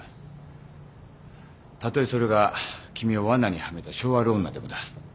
たとえそれが君をわなにはめた性悪女でもだ。